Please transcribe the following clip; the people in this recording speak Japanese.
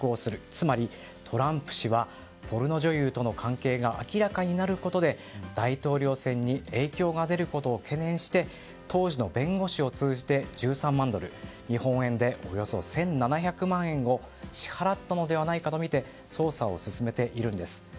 つまりトランプ氏はポルノ女優との関係が明らかになることで大統領選に影響が出ることを懸念して当時の弁護士を通じて１３万ドル日本円でおよそ１７００万円を支払ったのではないかとみて捜査を進めているんです。